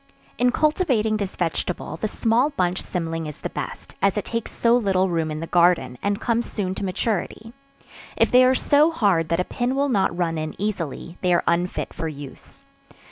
In cultivating this vegetable, the small bunch cymling is the best, as it takes so little room in the garden, and comes soon to maturity; if they are so hard that a pin will not run in easily, they are unfit for use.